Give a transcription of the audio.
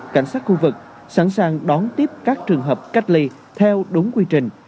cảnh sát khu vực sẵn sàng đón tiếp các trường hợp cách ly theo đúng quy trình